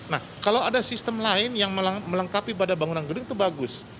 nah kalau ada sistem lain yang melengkapi pada bangunan gedung itu bagus